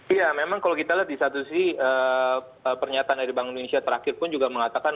iya memang kalau kita lihat di satu sisi pernyataan dari bank indonesia terakhir pun juga mengatakan